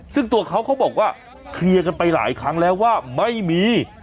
ซึ่งตัวเขาเขาบอกว่าเคลียร์กันไปหลายครั้งแล้วว่าไม่มี